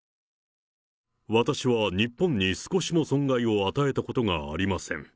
私は日本に少しも損害を与えたことがありません。